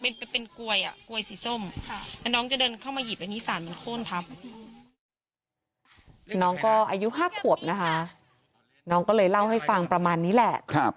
น้องก็อายุ๕ขวบนะคะน้องก็เลยเล่าให้ฟังประมาณนี้แหละ